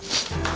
kamu ada apa sih